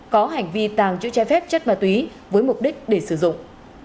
có hành vi tàng trữ trái phép chất ma túy với mục đích để sử dụng